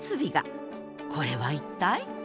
これは一体？